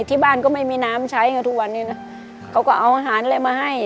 ที่บ้านก็ไม่มีน้ำใช้ไงทุกวันนี้นะเขาก็เอาอาหารอะไรมาให้